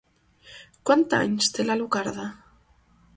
Quants anys té l'Alucarda?